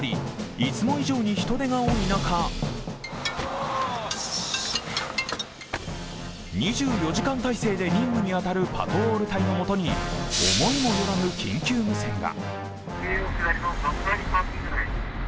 いつも以上に人出が多い中２４時間体制で任務に当たるパトロール隊のもとに思いもよらぬ緊急無線が。